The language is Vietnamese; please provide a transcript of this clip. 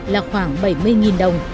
là khoảng bảy mươi đồng